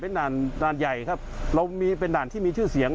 เป็นด่านใหญ่ครับเป็นด่านที่มีชื่อเสียง